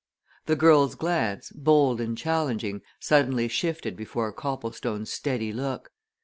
The girl's glance, bold and challenging, suddenly shifted before Copplestone's steady look.